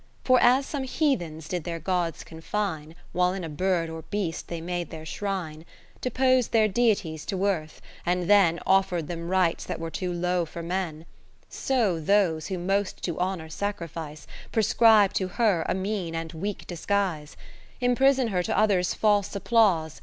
For as some heathens did their Gods confine, While in a bird or beast they made their shrine ; Katherine Philips Depos'd their Deities to earth, and then Offer'd them rites that were too low for Men : So those who most to Honour sacrifice, Prescribe to her a mean and weak disguise ; lo Imprison her to others' false applause.